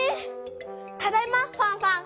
ただいまファンファン。